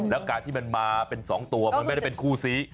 แล้วการที่มันมาเป็น๒ตัวมันไม่ได้เป็นคู่ซี